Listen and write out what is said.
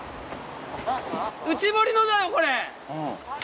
内堀のだよこれ！